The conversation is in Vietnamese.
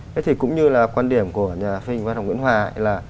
thế thì cũng như là quan điểm của nhà phim văn học nguyễn hòa là